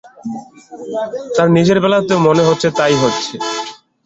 তাঁর নিজের বেলাতেও মনে হচ্ছে তা-ই হচ্ছে।